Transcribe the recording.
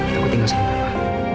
takut tinggal sama papa